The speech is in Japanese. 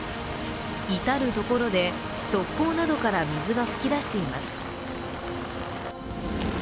至る所で側溝などから水が噴き出しています。